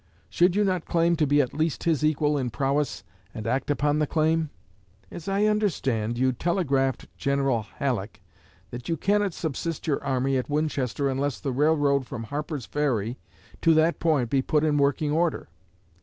Should you not claim to be at least his equal in prowess, and act upon the claim? As I understand, you telegraphed General Halleck that you cannot subsist your army at Winchester unless the railroad from Harper's Ferry to that point be put in working order.